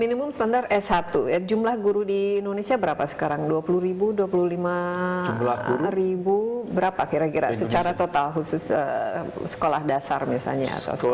minimum standar s satu jumlah guru di indonesia berapa sekarang dua puluh ribu dua puluh lima ribu berapa kira kira secara total khusus sekolah dasar misalnya atau sekolah